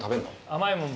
甘いもん